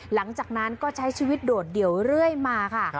หลังจากนั้นก็ใช้ชีวิตโดดเดี่ยวเรื่อยมาค่ะ